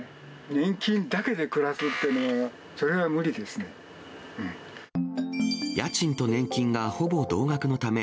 年金だけで暮らすっていうのは、家賃と年金がほぼ同額のため、